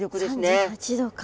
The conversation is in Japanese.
３８℃か。